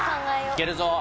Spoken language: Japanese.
いけるぞ！